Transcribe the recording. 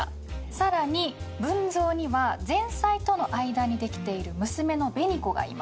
さらに文蔵には前妻との間にできている娘の紅子がいます。